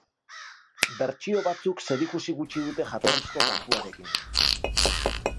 Bertsio batzuk zerikusi gutxi dute jatorrizko kantuarekin.